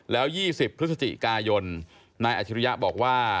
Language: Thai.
แล้ว๒๐พฤศจิกายนนายอาชิริยะบอกว่า